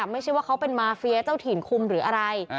ไม่ใช่ว่าเขาเป็นมาเฟียเจ้าถิ่นคุมหรืออะไร